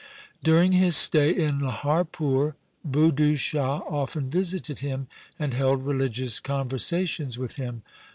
During his stay in Laharpur, Budhu Shah often visited him, and held religious con versations with him.